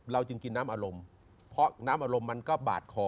จึงกินน้ำอารมณ์เพราะน้ำอารมณ์มันก็บาดคอ